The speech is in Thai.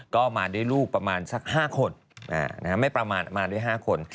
ก็มาด้วยลูกประมาณสัก๕คนไม่ประมาณมาด้วย๕คน